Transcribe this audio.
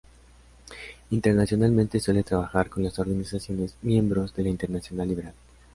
Internacionalmente suele trabajar con las organizaciones miembros de la Internacional Liberal.